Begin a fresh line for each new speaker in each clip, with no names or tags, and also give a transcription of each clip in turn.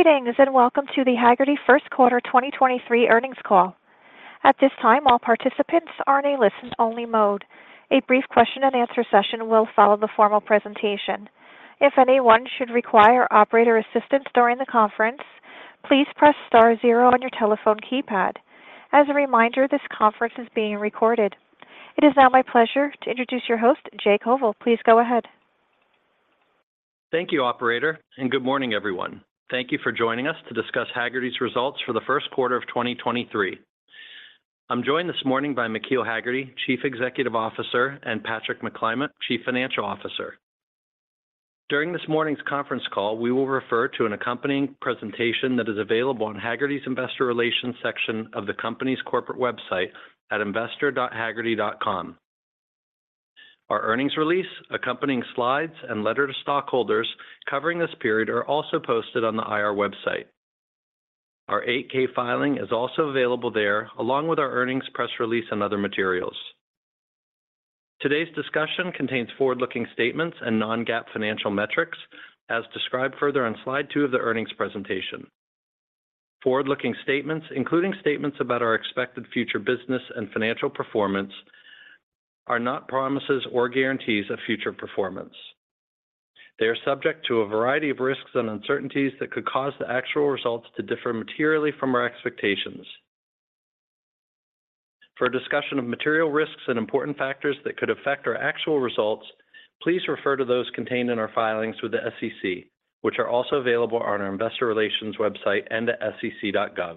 Greetings, welcome to the Hagerty first quarter 2023 earnings call. At this time, all participants are in a listen only mode. A brief question and answer session will follow the formal presentation. If anyone should require operator assistance during the conference, please press star zero on your telephone keypad. As a reminder, this conference is being recorded. It is now my pleasure to introduce your host, Jay Koval. Please go ahead.
Thank you, operator. Good morning, everyone. Thank you for joining us to discuss Hagerty's results for the first quarter of 2023. I'm joined this morning by McKeel Hagerty, Chief Executive Officer, and Patrick McClymont, Chief Financial Officer. During this morning's conference call, we will refer to an accompanying presentation that is available on Hagerty's investor relations section of the company's corporate website at investor.hagerty.com. Our earnings release, accompanying slides, and letter to stockholders covering this period are also posted on the IR website. Our 8-K filing is also available there, along with our earnings, press release, and other materials. Today's discussion contains forward-looking statements and non-GAAP financial metrics, as described further on slide 2 of the earnings presentation. Forward-looking statements, including statements about our expected future business and financial performance, are not promises or guarantees of future performance. They are subject to a variety of risks and uncertainties that could cause the actual results to differ materially from our expectations. For a discussion of material risks and important factors that could affect our actual results, please refer to those contained in our filings with the SEC, which are also available on our investor relations website and at SEC.gov.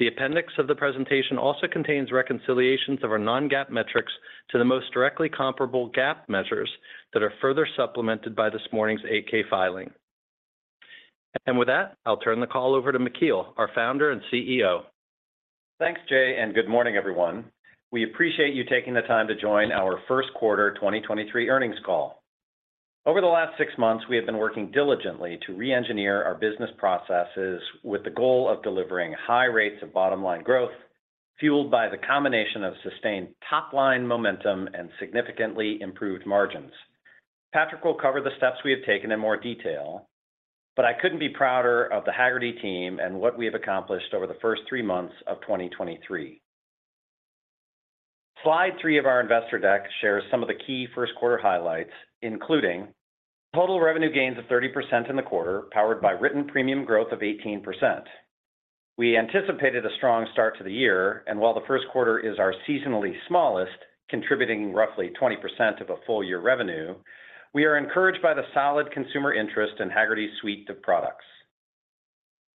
The appendix of the presentation also contains reconciliations of our non-GAAP metrics to the most directly comparable GAAP measures that are further supplemented by this morning's 8-K filing. With that, I'll turn the call over to McKeel, our founder and CEO.
Thanks, Jay, and good morning, everyone. We appreciate you taking the time to join our first quarter 2023 earnings call. Over the last 6 months, we have been working diligently to re-engineer our business processes with the goal of delivering high rates of bottom-line growth, fueled by the combination of sustained top-line momentum and significantly improved margins. Patrick will cover the steps we have taken in more detail, but I couldn't be prouder of the Hagerty team and what we have accomplished over the first 3 months of 2023. Slide 3 of our investor deck shares some of the key first quarter highlights, including total revenue gains of 30% in the quarter, powered by written premium growth of 18%. We anticipated a strong start to the year, and while the first quarter is our seasonally smallest, contributing roughly 20% of a full year revenue, we are encouraged by the solid consumer interest in Hagerty's suite of products.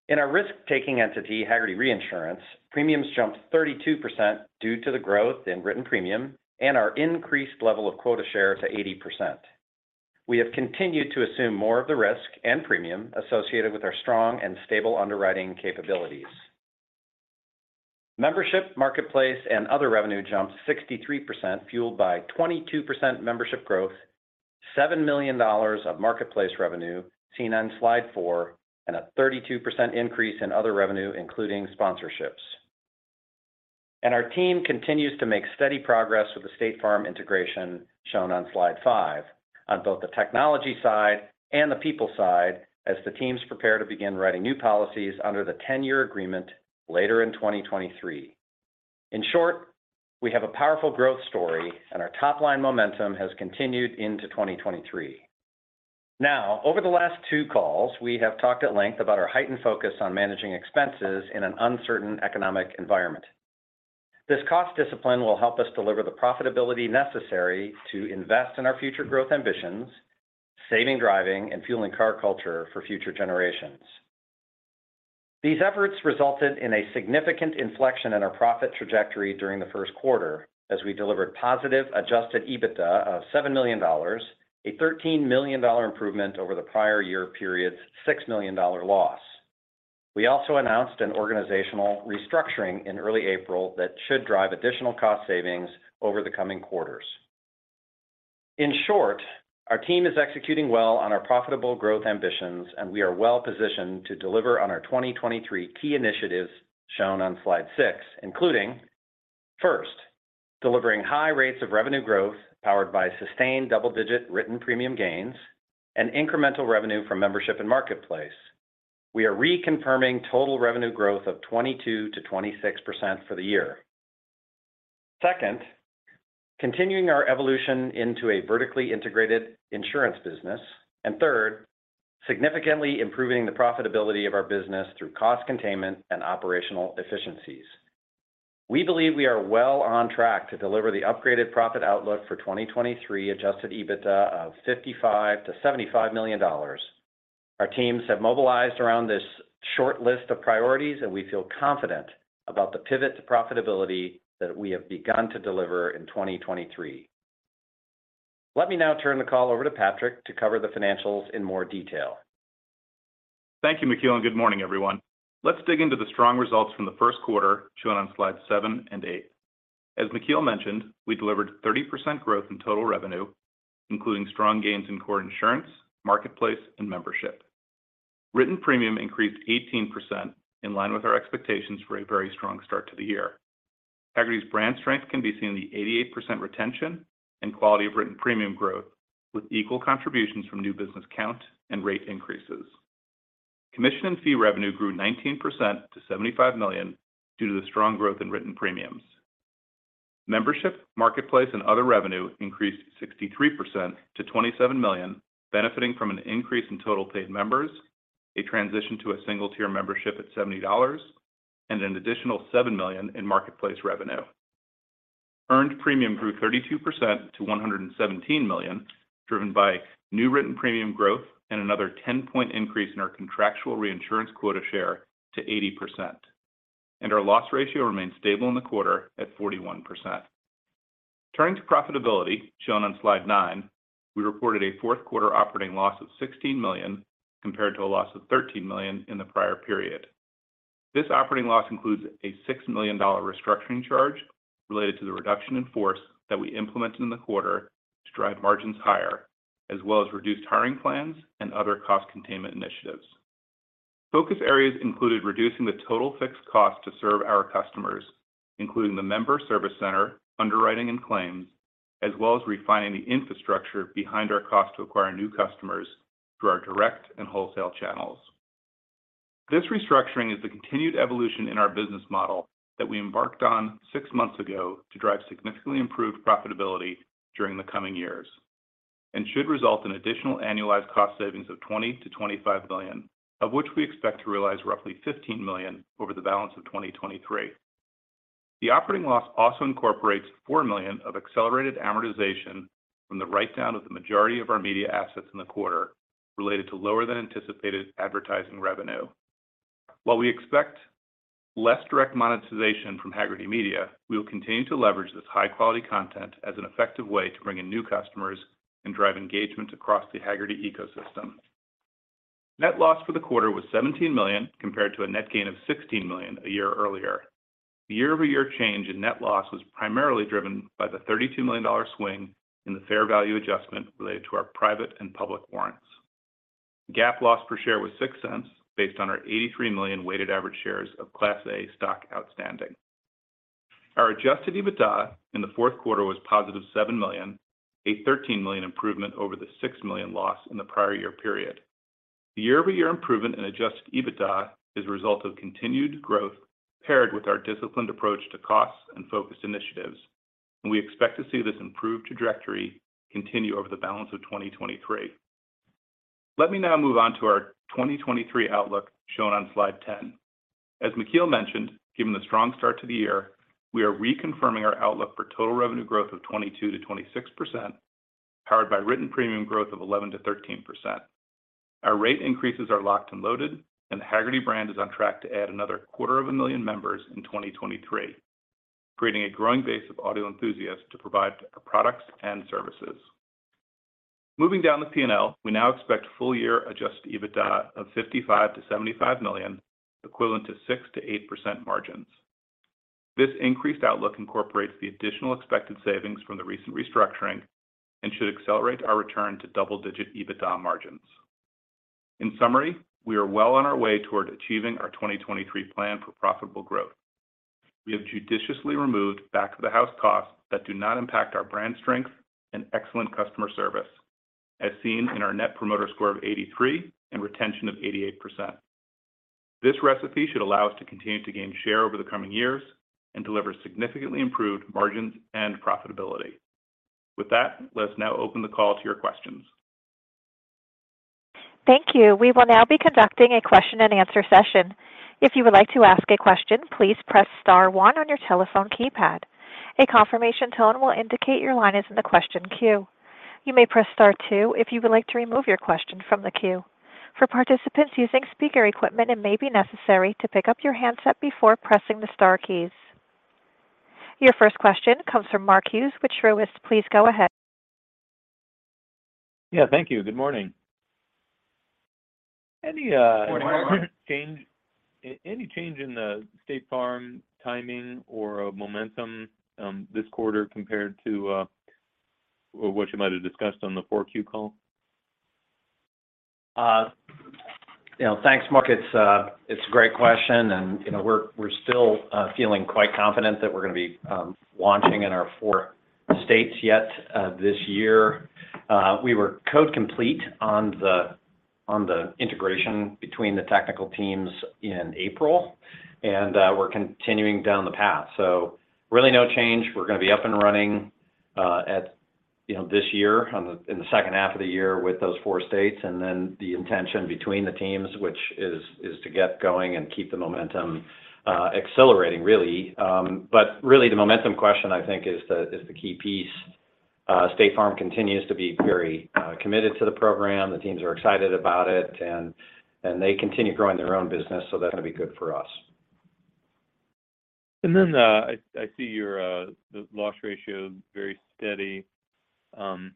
In our risk-taking entity, Hagerty Reinsurance, premiums jumped 32% due to the growth in written premium and our increased level of quota share to 80%. We have continued to assume more of the risk and premium associated with our strong and stable underwriting capabilities. Membership, marketplace, and other revenue jumped 63%, fueled by 22% membership growth, $7 million of marketplace revenue, seen on Slide 4, and a 32% increase in other revenue, including sponsorships. Our team continues to make steady progress with the State Farm integration shown on Slide 5 on both the technology side and the people side as the teams prepare to begin writing new policies under the 10-year agreement later in 2023. In short, we have a powerful growth story and our top-line momentum has continued into 2023. Over the last two calls, we have talked at length about our heightened focus on managing expenses in an uncertain economic environment. This cost discipline will help us deliver the profitability necessary to invest in our future growth ambitions, saving driving and fueling car culture for future generations. These efforts resulted in a significant inflection in our profit trajectory during the 1st quarter as we delivered positive Adjusted EBITDA of $7 million, a $13 million improvement over the prior year period's $6 million loss. We also announced an organizational restructuring in early April that should drive additional cost savings over the coming quarters. In short, our team is executing well on our profitable growth ambitions, and we are well positioned to deliver on our 2023 key initiatives shown on Slide 6, including, first, delivering high rates of revenue growth powered by sustained double-digit written premium gains and incremental revenue from membership and marketplace. We are reconfirming total revenue growth of 22%-26% for the year. Second, continuing our evolution into a vertically integrated insurance business. Third, significantly improving the profitability of our business through cost containment and operational efficiencies. We believe we are well on track to deliver the upgraded profit outlook for 2023 Adjusted EBITDA of $55 million-$75 million. Our teams have mobilized around this short list of priorities. We feel confident about the pivot to profitability that we have begun to deliver in 2023. Let me now turn the call over to Patrick to cover the financials in more detail.
Thank you, McKeel, and good morning, everyone. Let's dig into the strong results from the first quarter shown on Slides 7 and 8. As McKeel mentioned, we delivered 30% growth in total revenue, including strong gains in core insurance, marketplace, and membership. Written premium increased 18% in line with our expectations for a very strong start to the year. Hagerty's brand strength can be seen in the 88% retention and quality of written premium growth, with equal contributions from new business count and rate increases. Commission and fee revenue grew 19% to $75 million due to the strong growth in written premiums. Membership, marketplace, and other revenue increased 63% to $27 million, benefiting from an increase in total paid members, a transition to a single tier membership at $70, and an additional $7 million in marketplace revenue. Earned premium grew 32% to $117 million, driven by new written premium growth and another 10-point increase in our contractual reinsurance quota share to 80%. Our loss ratio remained stable in the quarter at 41%. Turning to profitability, shown on slide 9, we reported a fourth quarter operating loss of $16 million compared to a loss of $13 million in the prior period. This operating loss includes a $6 million restructuring charge related to the reduction in force that we implemented in the quarter to drive margins higher, as well as reduced hiring plans and other cost containment initiatives. Focus areas included reducing the total fixed cost to serve our customers, including the member service center, underwriting and claims, as well as refining the infrastructure behind our cost to acquire new customers through our direct and wholesale channels. This restructuring is the continued evolution in our business model that we embarked on six months ago to drive significantly improved profitability during the coming years and should result in additional annualized cost savings of $20 million-$25 million, of which we expect to realize roughly $15 million over the balance of 2023. The operating loss also incorporates $4 million of accelerated amortization from the write-down of the majority of our media assets in the quarter related to lower than anticipated advertising revenue. While we expect less direct monetization from Hagerty Media, we will continue to leverage this high-quality content as an effective way to bring in new customers and drive engagement across the Hagerty ecosystem. Net loss for the quarter was $17 million compared to a net gain of $16 million a year earlier. The year-over-year change in net loss was primarily driven by the $32 million swing in the fair value adjustment related to our private and public warrants. GAAP loss per share was $0.06 based on our 83 million weighted average shares of Class A stock outstanding. Our Adjusted EBITDA in the fourth quarter was positive $7 million, a $13 million improvement over the $6 million loss in the prior year period. The year-over-year improvement in Adjusted EBITDA is a result of continued growth paired with our disciplined approach to costs and focused initiatives. We expect to see this improved trajectory continue over the balance of 2023. Let me now move on to our 2023 outlook shown on slide 10. As McKeel mentioned, given the strong start to the year, we are reconfirming our outlook for total revenue growth of 22%-26%, powered by written premium growth of 11%-13%. The Hagerty brand is on track to add another quarter of a million members in 2023, creating a growing base of auto enthusiasts to provide our products and services. Moving down the P&L, we now expect full year Adjusted EBITDA of $55 million-$75 million, equivalent to 6%-8% margins. This increased outlook incorporates the additional expected savings from the recent restructuring and should accelerate our return to double-digit EBITDA margins. In summary, we are well on our way toward achieving our 2023 plan for profitable growth. We have judiciously removed back-of-the-house costs that do not impact our brand strength and excellent customer service, as seen in our Net Promoter Score of 83 and retention of 88%. This recipe should allow us to continue to gain share over the coming years and deliver significantly improved margins and profitability. Let's now open the call to your questions.
Thank you. We will now be conducting a question and answer session. If you would like to ask a question, please press star one on your telephone keypad. A confirmation tone will indicate your line is in the question queue. You may press star two if you would like to remove your question from the queue. For participants using speaker equipment, it may be necessary to pick up your handset before pressing the star keys. Your first question comes from Mark Hughes with Truist. Please go ahead.
Yeah, thank you. Good morning.
Morning, Mark.
Any change in the State Farm timing or momentum, this quarter compared to what you might have discussed on the four Q call?
You know, thanks, Mark. It's a great question, and, you know, we're still feeling quite confident that we're gonna be launching in our four states yet this year. We were code complete on the integration between the technical teams in April, and we're continuing down the path. Really no change. We're gonna be up and running, you know, this year in the second half of the year with those four states. The intention between the teams, which is to get going and keep the momentum accelerating really. Really the momentum question, I think, is the key piece. State Farm continues to be very committed to the program. The teams are excited about it and they continue growing their own business, so that's gonna be good for us.
I see your the loss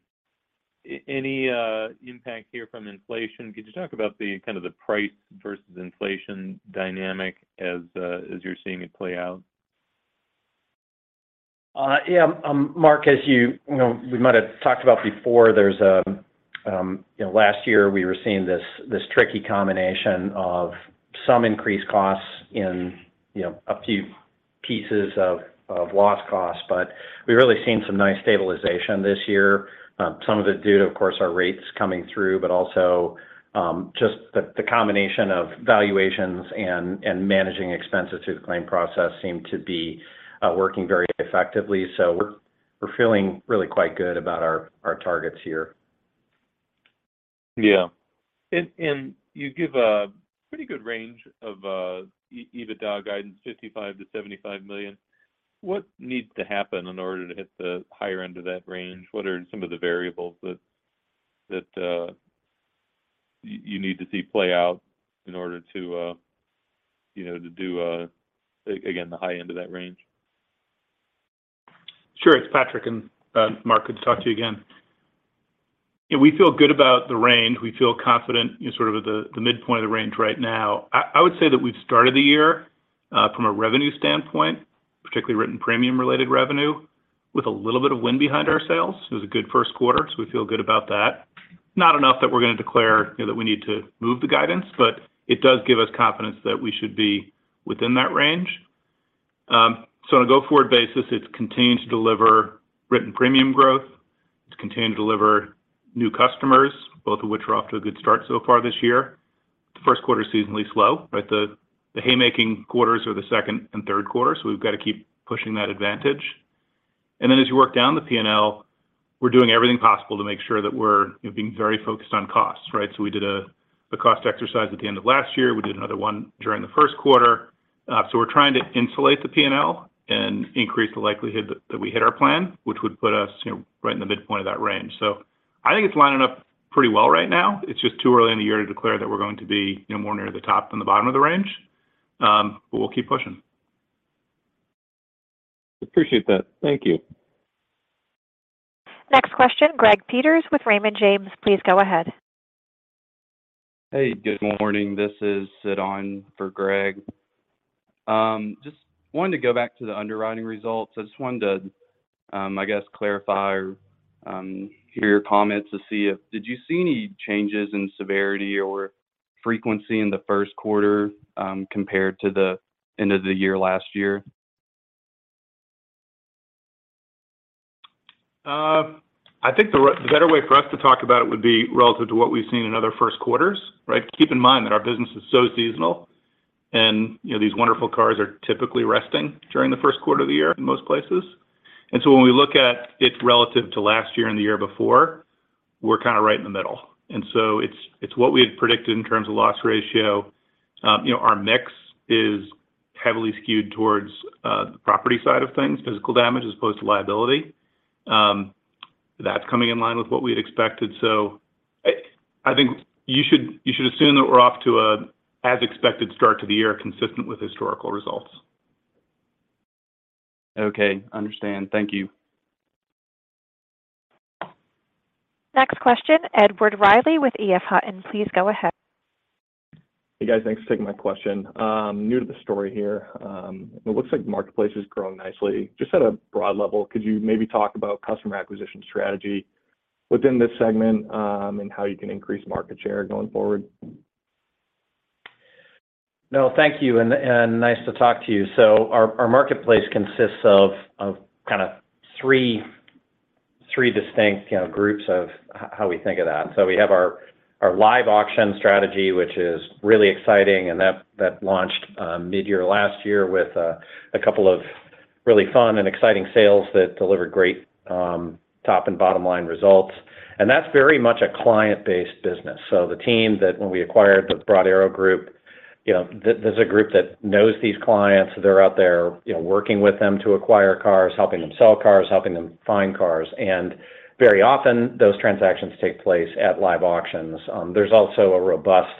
ratio very steady. Any impact here from inflation? Could you talk about the kind of the price versus inflation dynamic as you're seeing it play out?
Yeah. Mark, as you know, we might have talked about before, there's, you know, last year we were seeing this tricky combination of some increased costs in, you know, a few pieces of loss costs. We've really seen some nice stabilization this year. Some of it due to, of course, our rates coming through, but also, just the combination of valuations and managing expenses through the claim process seem to be working very effectively. We're feeling really quite good about our targets here.
Yeah. You give a pretty good range of EBITDA guidance, $55 million-$75 million. What needs to happen in order to hit the higher end of that range? What are some of the variables that you need to see play out in order to, you know, to do again, the high end of that range?
Sure. It's Patrick. Mark, good to talk to you again. Yeah, we feel good about the range. We feel confident in sort of at the midpoint of the range right now. I would say that we've started the year from a revenue standpoint, particularly written premium related revenue, with a little bit of wind behind our sails. It was a good first quarter. We feel good about that. Not enough that we're going to declare, you know, that we need to move the guidance, but it does give us confidence that we should be within that range. On a go-forward basis, it's continuing to deliver written premium growth. It's continuing to deliver new customers, both of which are off to a good start so far this year. The first quarter is seasonally slow, right? The haymaking quarters are the second and third quarter. We've got to keep pushing that advantage. As you work down the P&L, we're doing everything possible to make sure that we're, you know, being very focused on costs, right? We did a cost exercise at the end of last year. We did another one during the first quarter. We're trying to insulate the P&L and increase the likelihood that we hit our plan, which would put us, you know, right in the midpoint of that range. I think it's lining up pretty well right now. It's just too early in the year to declare that we're going to be, you know, more near the top than the bottom of the range. We'll keep pushing.
Appreciate that. Thank you.
Next question, Greg Peters with Raymond James. Please go ahead.
Hey, good morning. This is Sid Schultz for Greg. Just wanted to go back to the underwriting results. I just wanted to, I guess, clarify or hear your comments to see if. Did you see any changes in severity or frequency in the first quarter compared to the end of the year last year?
I think the better way for us to talk about it would be relative to what we've seen in other first quarters, right? Keep in mind that our business is so seasonal and, you know, these wonderful cars are typically resting during the first quarter of the year in most places. When we look at it relative to last year and the year before, we're kind of right in the middle. It's what we had predicted in terms of loss ratio. You know, our mix is heavily skewed towards the property side of things, physical damage as opposed to liability. That's coming in line with what we had expected. I think you should assume that we're off to a as expected start to the year, consistent with historical results.
Okay. Understand. Thank you.
Next question, Edward Reilly with EF Hutton. Please go ahead.
Hey, guys. Thanks for taking my question. I'm new to the story here. It looks like the marketplace is growing nicely. Just at a broad level, could you maybe talk about customer acquisition strategy within this segment, and how you can increase market share going forward?
No, thank you, and nice to talk to you. Our marketplace consists of kind of three distinct, you know, groups of how we think of that. We have our live auction strategy, which is really exciting, and that launched midyear last year with a couple of really fun and exciting sales that delivered great top and bottom line results, and that's very much a client-based business. The team that when we acquired the Broad Arrow Group, you know, there's a group that knows these clients. They're out there, you know, working with them to acquire cars, helping them sell cars, helping them find cars. Very often, those transactions take place at live auctions. There's also a robust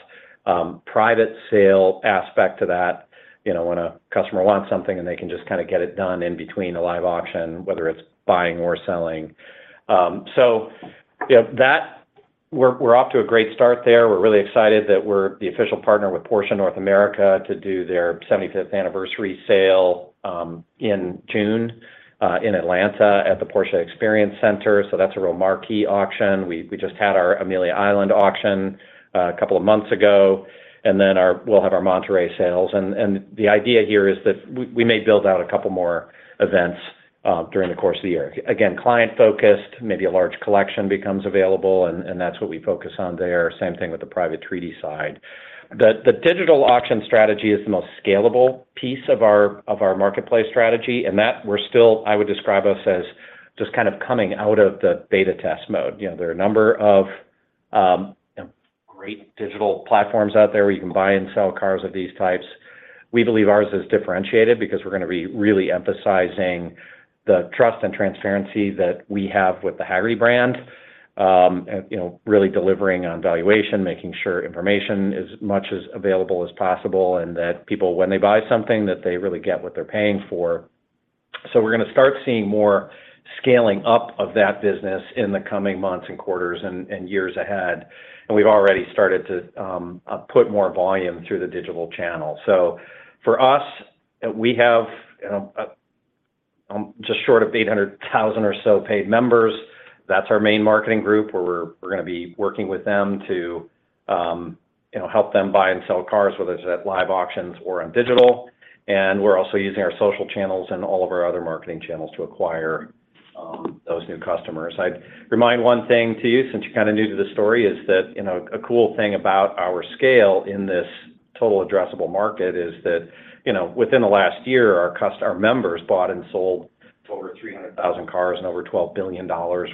private sale aspect to that, you know, when a customer wants something and they can just kind of get it done in between a live auction, whether it's buying or selling. You know, that we're off to a great start there. We're really excited that we're the official partner with Porsche North America to do their 75th anniversary sale in June in Atlanta at the Porsche Experience Center. That's a real marquee auction. We just had our Amelia Island auction a couple of months ago, we'll have our Monterey sales. And the idea here is that we may build out a couple more events during the course of the year. Again, client-focused, maybe a large collection becomes available, and that's what we focus on there. Same thing with the private treaty side. The digital auction strategy is the most scalable piece of our marketplace strategy, and that we're still I would describe us as just kind of coming out of the beta test mode. You know, there are a number of, you know, great digital platforms out there where you can buy and sell cars of these types. We believe ours is differentiated because we're going to be really emphasizing the trust and transparency that we have with the Hagerty brand. You know, really delivering on valuation, making sure information is much as available as possible, and that people, when they buy something, that they really get what they're paying for. We're going to start seeing more Scaling up of that business in the coming months and quarters and years ahead. We've already started to put more volume through the digital channel. For us, we have, you know, just short of 800,000 or so paid members. That's our main marketing group where we're gonna be working with them to, you know, help them buy and sell cars, whether it's at live auctions or on digital. We're also using our social channels and all of our other marketing channels to acquire those new customers. I'd remind one thing to you, since you're kind of new to this story, is that, you know, a cool thing about our scale in this total addressable market is that, you know, within the last year, our members bought and sold sort of 300,000 cars and over $12 billion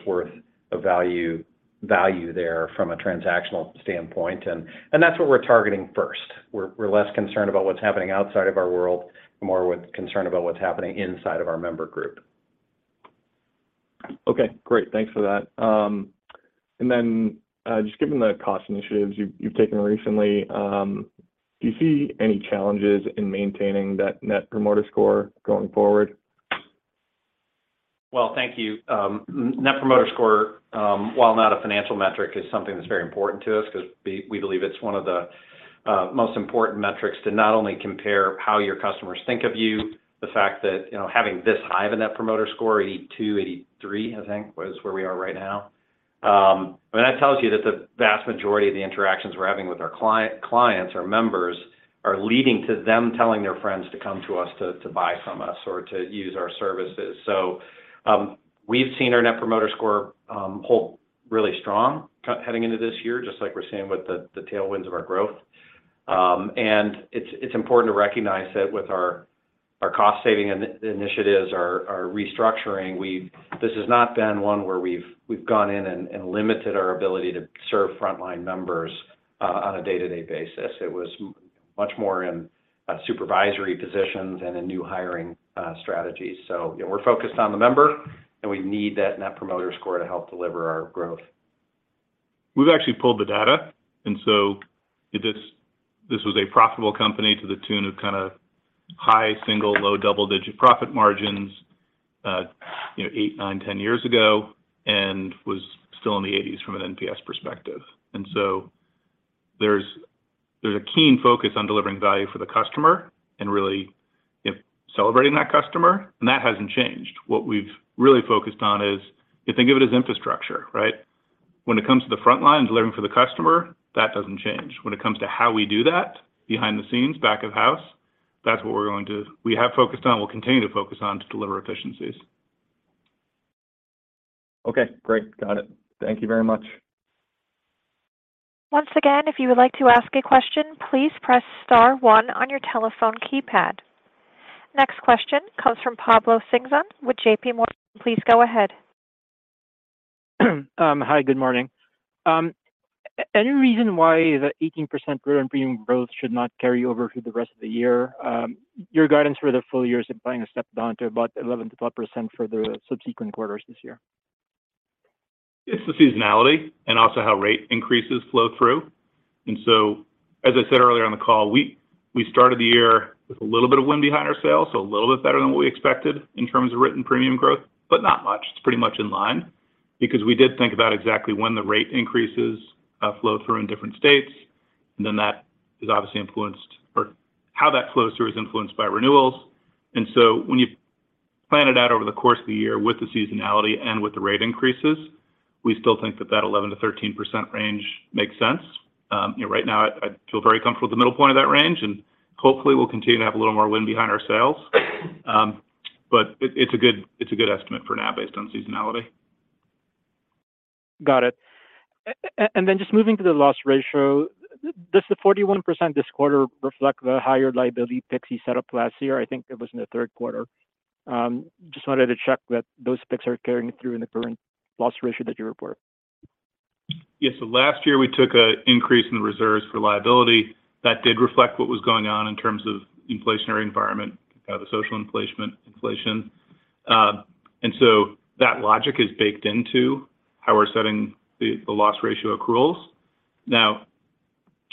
worth of value there from a transactional standpoint. That's what we're targeting first. We're less concerned about what's happening outside of our world, more concerned about what's happening inside of our member group.
Okay, great. Thanks for that. Just given the cost initiatives you've taken recently, do you see any challenges in maintaining that Net Promoter Score going forward?
Well, thank you. Net Promoter Score, while not a financial metric, is something that's very important to us because we believe it's one of the most important metrics to not only compare how your customers think of you, the fact that, you know, having this high of a Net Promoter Score, 82, 83, I mean, that tells you that the vast majority of the interactions we're having with our clients or members are leading to them telling their friends to come to us to buy from us or to use our services. We've seen our Net Promoter Score hold really strong heading into this year, just like we're seeing with the tailwinds of our growth. It's important to recognize that with our cost saving initiatives, our restructuring, this has not been one where we've gone in and limited our ability to serve frontline members on a day-to-day basis. It was much more in supervisory positions and in new hiring strategies. You know, we're focused on the member, and we need that Net Promoter Score to help deliver our growth.
We've actually pulled the data, and so this was a profitable company to the tune of kind of high single, low double-digit profit margins, you know, 8, 9, 10 years ago and was still in the 80s from an NPS perspective. There's a keen focus on delivering value for the customer and really celebrating that customer, and that hasn't changed. What we've really focused on is you think of it as infrastructure, right? When it comes to the frontline and delivering for the customer, that doesn't change. When it comes to how we do that behind the scenes, back of house, that's what we have focused on, we'll continue to focus on to deliver efficiencies.
Okay, great. Got it. Thank you very much.
Once again, if you would like to ask a question, please press star one on your telephone keypad. Next question comes from Pablo Singzon with JPMorgan. Please go ahead.
Hi, good morning. Any reason why the 18% growth in premium growth should not carry over through the rest of the year? Your guidance for the full year is implying a step down to about 11%-12% for the subsequent quarters this year.
It's the seasonality and also how rate increases flow through. As I said earlier on the call, we started the year with a little bit of wind behind our sails, so a little bit better than what we expected in terms of written premium growth, but not much. It's pretty much in line because we did think about exactly when the rate increases flow through in different states, and then that is obviously influenced or how that flows through is influenced by renewals. When you plan it out over the course of the year with the seasonality and with the rate increases, we still think that that 11%-13% range makes sense. You know, right now I feel very comfortable at the middle point of that range, and hopefully we'll continue to have a little more wind behind our sails. it's a good, it's a good estimate for now based on seasonality.
Got it. Then just moving to the loss ratio, does the 41% this quarter reflect the higher loss pick set up last year? I think it was in the third quarter. Just wanted to check that those picks are carrying through in the current loss ratio that you report.
Yes. Last year, we took an increase in the reserves for liability. That did reflect what was going on in terms of inflationary environment, the social inflation. That logic is baked into how we're setting the loss ratio accruals.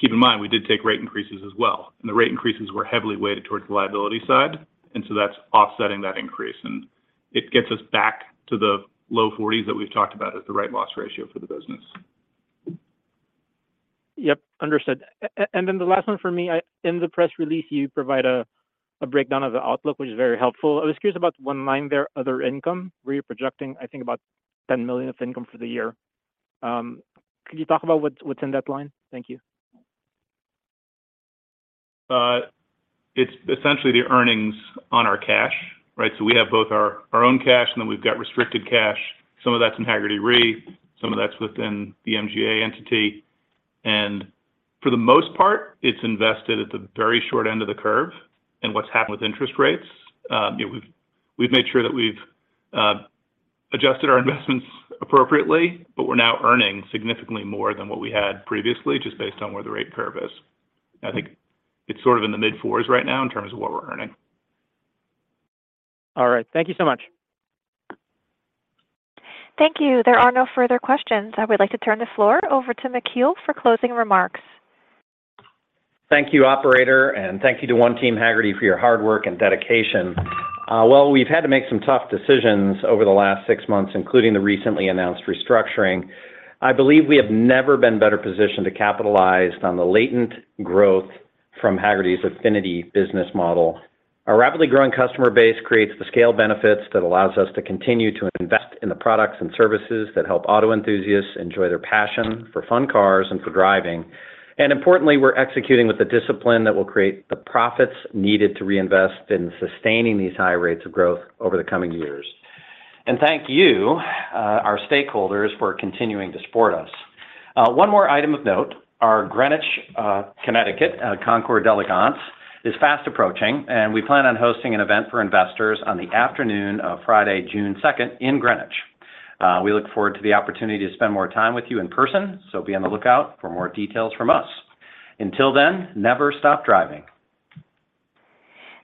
Keep in mind, we did take rate increases as well, and the rate increases were heavily weighted towards the liability side, and so that's offsetting that increase. It gets us back to the low 40s that we've talked about as the right loss ratio for the business.
Yep, understood. The last one for me. In the press release, you provide a breakdown of the outlook, which is very helpful. I was curious about one line there, other income, where you're projecting, I think about $10 million of income for the year. Could you talk about what's in that line? Thank you.
it's essentially the earnings on our cash, right? We have both our own cash, and then we've got restricted cash. Some of that's in Hagerty Re, some of that's within the MGA entity. For the most part, it's invested at the very short end of the curve. What's happened with interest rates, we've made sure that we've adjusted our investments appropriately, but we're now earning significantly more than what we had previously just based on where the rate curve is. I think it's sort of in the mid-fours right now in terms of what we're earning.
All right. Thank you so much.
Thank you. There are no further questions. I would like to turn the floor over to Mckeel for closing remarks.
Thank you, operator, thank you to One Team Hagerty foryour hard work and dedication. While we've had to make some tough decisions over the last six months, including the recently announced restructuring, I believe we have never been better positioned to capitalize on the latent growth from Hagerty's affinity business model. Our rapidly growing customer base creates the scale benefits that allows us to continue to invest in the products and services that help auto enthusiasts enjoy their passion for fun cars and for driving. Importantly, we're executing with the discipline that will create the profits needed to reinvest in sustaining these high rates of growth over the coming years. Thank you, our stakeholders, for continuing to support us. One more item of note, our Greenwich, Connecticut, Concours d'Elegance is fast approaching, and we plan on hosting an event for investors on the afternoon of Friday, June second in Greenwich. We look forward to the opportunity to spend more time with you in person. Be on the lookout for more details from us. Until then, never stop driving.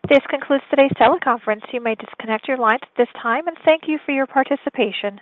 This concludes today's teleconference. You may disconnect your lines at this time. Thank you for your participation.